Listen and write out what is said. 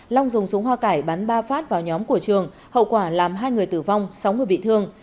long dùng súng hoa cải bắn ba phát vào nhóm của trường hậu quả làm hai người tử vong sáu người bị thương